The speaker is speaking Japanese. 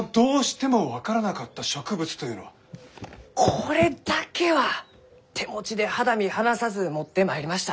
これだけは手持ちで肌身離さず持ってまいりました！